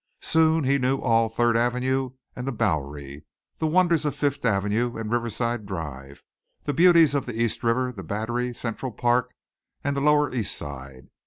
Soon he knew all Third Avenue and the Bowery, the wonders of Fifth Avenue and Riverside Drive, the beauties of the East River, the Battery, Central Park and the lower East Side.